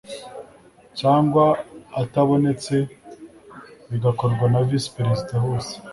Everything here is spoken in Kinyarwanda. cyangwaatabonetse bigakorwa na Visi Perezida bose